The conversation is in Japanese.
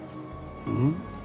うん？